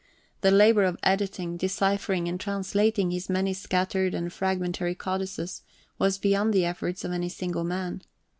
The labour of editing, deciphering and translating his many scattered and fragmentary codices was beyond the efforts of any single man.